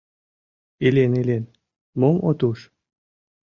Илен-илен, мом от уж?